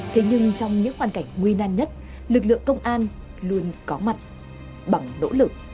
thế nhưng trong những hoàn cảnh nguy nan nhất lực lượng công an luôn có mặt bằng nỗ lực